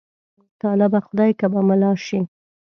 طالبه! خدای که به ملا شې.